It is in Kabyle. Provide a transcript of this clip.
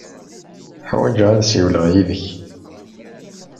Ḥwajeɣ ad ssiwleɣ yid-k.